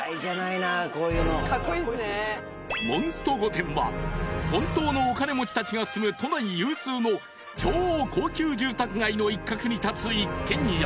［モンスト御殿は本当のお金持ちたちが住む都内有数の超高級住宅街の一画に立つ一軒家］